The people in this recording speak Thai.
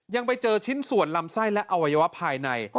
ยังไปเจอชิ้นส่วนลำไส้และอวัยวะภายใน